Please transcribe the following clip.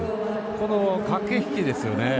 その駆け引きですよね。